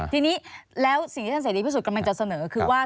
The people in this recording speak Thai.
ทีนี้แล้วสิ่งที่ฉันใส่ดีที่สุดกำลังจะเสนอคือว่า